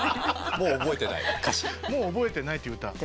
もう覚えてないって歌。